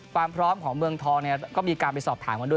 ความพร้อมของเมืองทองเนี่ยก็มีการไปสอบถามกันด้วย